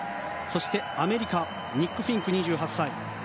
そしてアメリカニック・フィンク、２８歳。